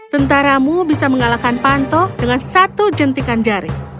tentaramu bisa mengalahkan panto dengan satu jentikan jari